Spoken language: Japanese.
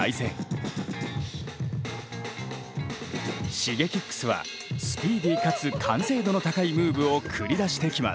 Ｓｈｉｇｅｋｉｘはスピーディーかつ完成度の高いムーブを繰り出してきます。